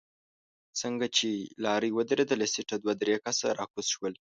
څنګه چې لارۍ ودرېده له سيټه دوه درې کسه راکوز شول.